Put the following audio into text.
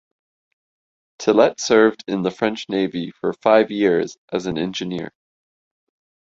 Tillet served in the French Navy for five years as an engineer.